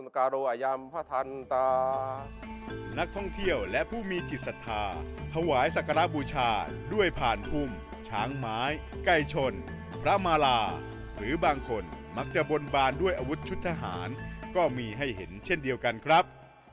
การำพระทันตานักท่องเที่ยวและผู้มีจิตศรัทธาถวายศักระบูชาด้วยผ่านพุ่มช้างไม้ไก่ชนพระมาลาหรือบางคนมักจะบนบานด้วยอาวุธชุดทหารก็มีให้เห็นเช่นเดียวกันครับ